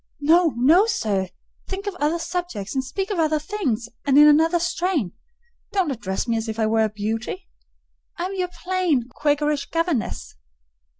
"No, no, sir! think of other subjects, and speak of other things, and in another strain. Don't address me as if I were a beauty; I am your plain, Quakerish governess."